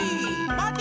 まて！